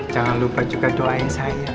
jangan lupa juga doanya saya